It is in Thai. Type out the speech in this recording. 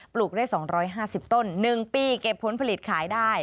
ลูกได้๒๕๐ต้น๑ปีเก็บผลผลิตขายได้